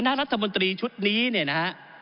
รัฐมนตรีชุดนี้เนี่ยนะฮะ